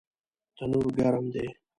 تنور ګرم دی